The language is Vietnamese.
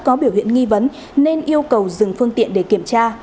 có biểu hiện nghi vấn nên yêu cầu dừng phương tiện để kiểm tra